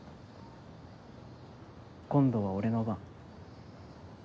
今度は俺の番。